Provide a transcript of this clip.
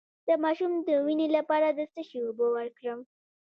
د ماشوم د وینې لپاره د څه شي اوبه ورکړم؟